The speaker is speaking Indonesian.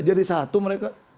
jadi satu mereka